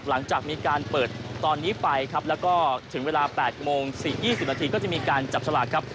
หลังจากมีการเปิดตอนนี้ไปครับแล้วก็ถึงเวลา๘โมง๔๒๐นาทีก็จะมีการจับฉลากครับ